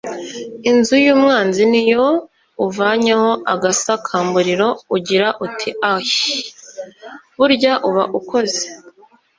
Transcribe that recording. Inzu y’umwanzi niyo uvanyeho agasakamburiro ugira uti ahiii (burya uba ukoze)